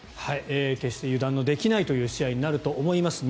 決して油断のできない試合になると思います。